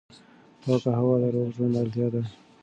پاکه هوا د روغ ژوند اړتیا ده.